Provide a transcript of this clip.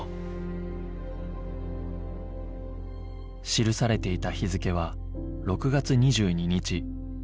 記されていた日付は６月２２日